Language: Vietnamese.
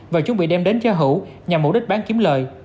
và chuẩn bị đem đến cho hữu nhằm mục đích bán kiếm lời